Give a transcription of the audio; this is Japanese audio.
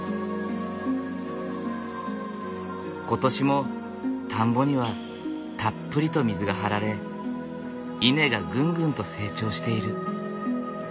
今年も田んぼにはたっぷりと水が張られ稲がぐんぐんと成長している。